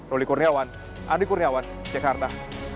ruli kurniawan andi kurniawan jakarta